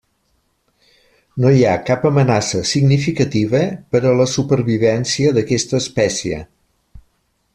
No hi ha cap amenaça significativa per a la supervivència d'aquesta espècie.